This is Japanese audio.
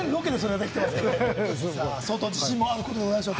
相当自信もあるということでございましょう。